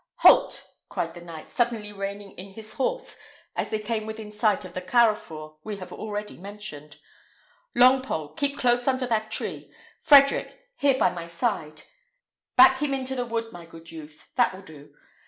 "Halt!" cried the knight, suddenly reining in his horse as they came within sight of the carrefour we have already mentioned. "Longpole, keep close under that tree! Frederick, here by my side; back him into the wood, my good youth; that will do.